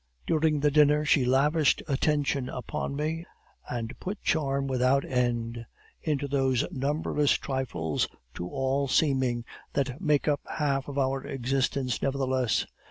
"During the dinner she lavished attention upon me, and put charm without end into those numberless trifles to all seeming, that make up half of our existence nevertheless.